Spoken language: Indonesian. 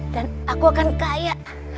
dan aku akan kaya